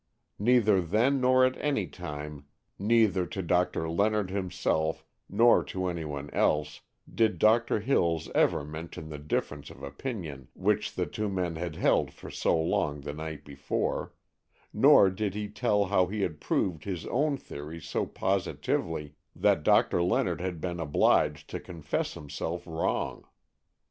Neither then nor at any time, neither to Doctor Leonard himself nor to any one else, did Doctor Hills ever mention the difference of opinion which the two men had held for so long the night before, nor did he tell how he had proved his own theory so positively that Doctor Leonard had been obliged to confess himself wrong.